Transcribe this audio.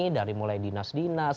dari mulai dinas dinas